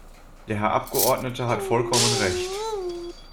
Der Herr Abgeordnete hat vollkommen Recht.